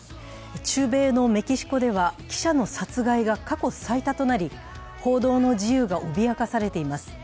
中米のメキシコでは記者の殺害が過去最多となり報道の自由が脅かされています。